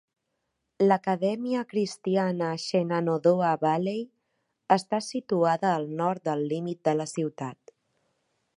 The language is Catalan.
L"Acadèmia Cristiana Shenandoah Valley està situada al nord del límit de la ciutat.